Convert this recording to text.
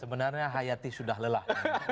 sebenarnya hayati sudah lelah